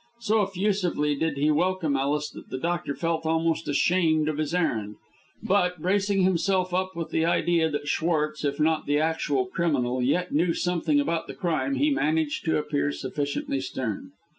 So effusively did he welcome Ellis that the doctor felt almost ashamed of his errand, but, bracing himself up with the idea that Schwartz, if not the actual criminal, yet knew something about the crime, he managed to appear sufficiently stern.